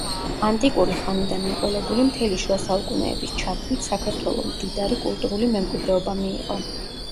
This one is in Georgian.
ანტიკური ხანიდან მოყოლებული, მთელი შუა საუკუნეების ჩათვლით, საქართველომ მდიდარი კულტურული მემკვიდრეობა მიიღო.